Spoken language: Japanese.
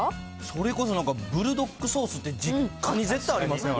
それこそなんか、ブルドックソースって、実家に絶対ありません？